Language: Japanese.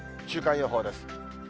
週間予報です。